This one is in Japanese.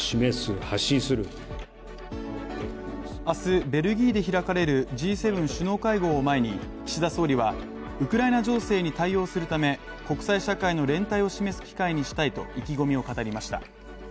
明日ベルギーで開かれるＧ７首脳会合を前に、岸田総理はウクライナ情勢に対応するため国際社会の連帯を示す機会にしたいと意気込みを語りました。